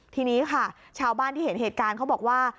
ทีนี้ค่ะชาวบ้านที่เห็นเหตุการณ์เขาบอกว่า